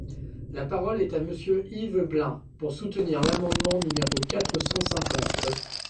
La parole est à Monsieur Yves Blein, pour soutenir l’amendement numéro quatre cent cinquante.